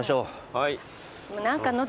はい。